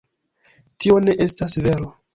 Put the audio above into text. Tio ne estas vero.